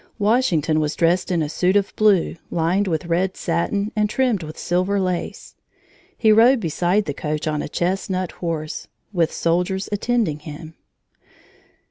Washington was dressed in a suit of blue, lined with red satin and trimmed with silver lace. He rode beside the coach on a chestnut horse, with soldiers attending him.